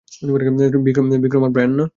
বিক্রম আর ব্রায়ান?